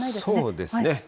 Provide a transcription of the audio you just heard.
そうですね。